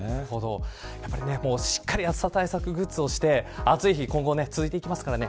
しっかり暑さ対策グッズを使って暑い日今後続いていきますからね。